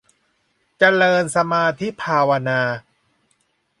เจริญสมาธิภาวนา